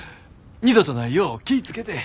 二度とないよう気ぃ付けて。